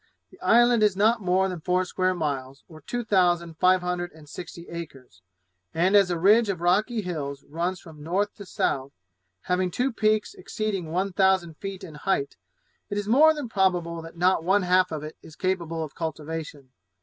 The island is not more than four square miles, or two thousand five hundred and sixty acres; and as a ridge of rocky hills runs from north to south, having two peaks exceeding one thousand feet in height, it is more than probable that not one half of it is capable of cultivation.